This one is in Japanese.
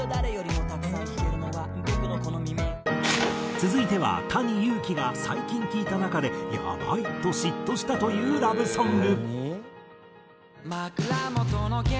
続いてはＴａｎｉＹｕｕｋｉが最近聴いた中で「やばい」と嫉妬したというラブソング。